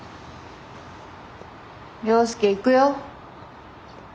涼介行くよ。